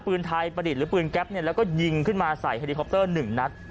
ปืนไทยประดิษฐ์หรือปืนแก๊ปเนี่ยแล้วก็ยิงขึ้นมาใส่เฮลิคอปเตอร์๑นัด